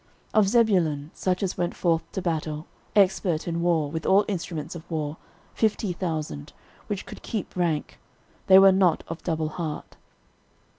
13:012:033 Of Zebulun, such as went forth to battle, expert in war, with all instruments of war, fifty thousand, which could keep rank: they were not of double heart.